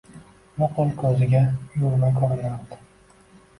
Nuqul ko‘ziga uyurma ko‘rinardi